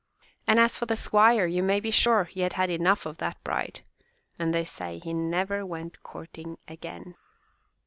And as for the squire you may be sure he had had enough of that bride, and they say he never went courting again.